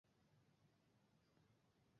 ক্লাবটি ডার্বি টার্নে খেলে।